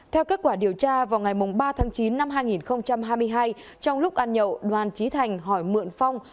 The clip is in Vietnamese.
theo kết quả điều tra vào ngày ba tháng chín năm hai nghìn hai mươi hai trong lúc ăn nhậu đoàn trí thành hỏi mượn phong